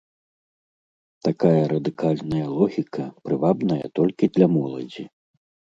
Такая радыкальная логіка прывабная толькі для моладзі.